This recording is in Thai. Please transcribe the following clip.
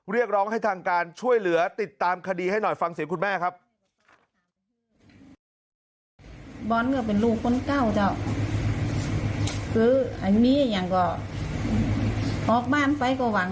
เรียกร้องให้ทางการช่วยเหลือติดตามคดีให้หน่อยฟังเสียงคุณแม่ครับ